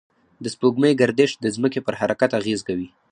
د سپوږمۍ گردش د ځمکې پر حرکت اغېز کوي.